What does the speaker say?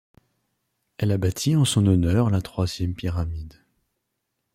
Elle a bâti en son honneur la troisième pyramide.